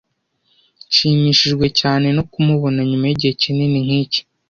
Nshimishijwe cyane no kumubona nyuma yigihe kinini nkiki.